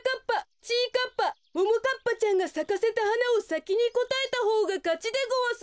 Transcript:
かっぱももかっぱちゃんがさかせたはなをさきにこたえたほうがかちでごわす。